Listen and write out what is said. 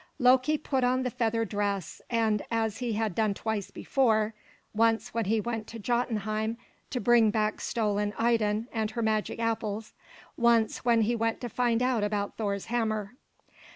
Loki put on the feather dress, as he had done twice before, once when he went to Jotunheim to bring back stolen Idun and her magic apples, once when he went to find out about Thor's hammer.